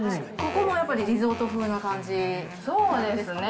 ここもやっぱりリゾート風な感じそうですね。